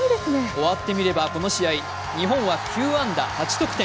終わってみれば、この試合、日本は９安打８得点。